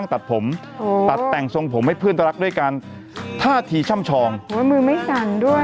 ตัดผมตัดแต่งทรงผมให้เพื่อนรักด้วยการท่าทีช่ำชองโอ้ยมือไม่สั่นด้วย